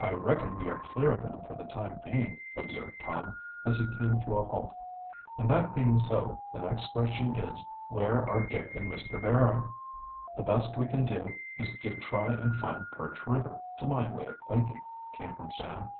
"I reckon we are clear of them for the time being," observed Tom, as he came to a halt. "And that being so, the next question is Where are Dick and Mr. Barrow?" "The best we can do is to try to find Perch River, to my way of thinking," came from Sam.